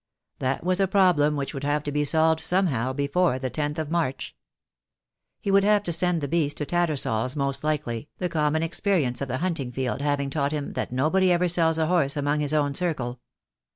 That was a problem which would have to be solved somehow before the tenth of March. He would have to send the beast to TattersalFs most likely, the common experience of the hunting field having taught him that nobody ever sells a horse among his own circle.